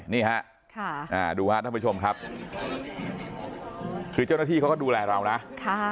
นี่ฮะค่ะอ่าดูฮะท่านผู้ชมครับคือเจ้าหน้าที่เขาก็ดูแลเรานะค่ะ